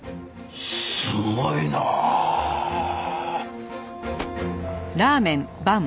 すごいなあ！かあ！